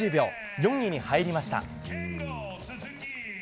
４位に入りました。